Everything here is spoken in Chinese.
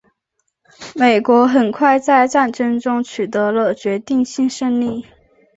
美国很快在战争中取得了决定性胜利。